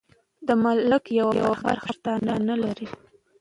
د ملک یوه برخه پښتانه لري.